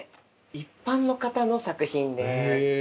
一般の方の作品です。